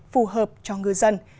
phù hợp cho ngư dân